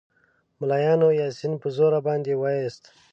ملایانو یاسین په زوره باندې ووایاست.